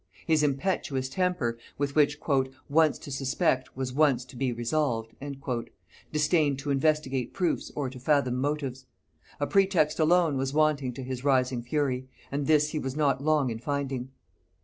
His impetuous temper, with which "once to suspect was once to be resolved," disdained to investigate proofs or to fathom motives; a pretext alone was wanting to his rising fury, and this he was not long in finding.